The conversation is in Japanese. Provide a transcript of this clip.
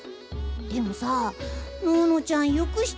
でもさののちゃんよく知ってるねぇ。